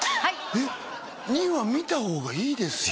えっ２話見た方がいいですよ